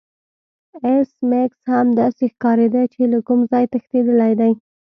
ایس میکس هم داسې ښکاریده چې له کوم ځای تښتیدلی دی